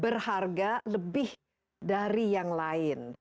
berharga lebih dari yang lain